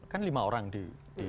kan lima orang di